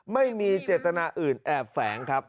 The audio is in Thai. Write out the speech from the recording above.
ไม่มีเจตนาอื่นแอบแฝงครับ